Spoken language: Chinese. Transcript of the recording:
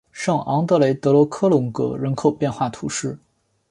圣昂德雷德罗科龙格人口变化图示